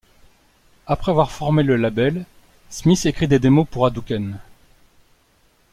Après avoir formé le label, Smith écrit des démos pour Hadouken!.